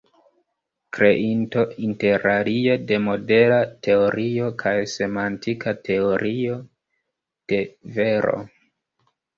Kreinto interalie de modela teorio kaj semantika teorio de vero.